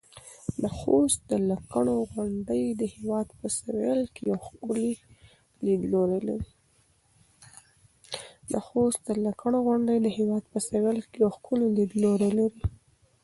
د خوست د لکڼو غونډۍ د هېواد په سویل کې یو ښکلی لیدلوری لري.